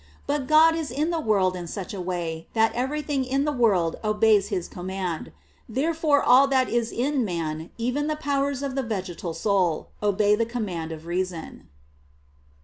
But God is in the world in such a way, that everything in the world obeys His command. Therefore all that is in man, even the powers of the vegetal soul, obey the command of reason.